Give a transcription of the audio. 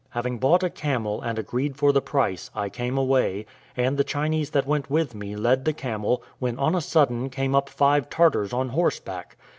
Having bought a camel, and agreed for the price, I came away, and the Chinese that went with me led the camel, when on a sudden came up five Tartars on horseback.